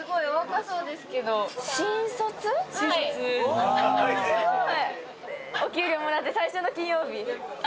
おすごい。